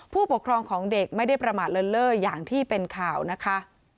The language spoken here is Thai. ผู้ปกครองของเด็กไม่ได้ประมาทเลินเล่ออย่างที่เป็นข่าวนะคะ